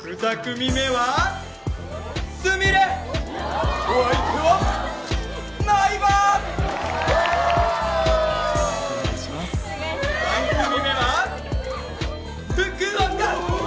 三組目は福岡！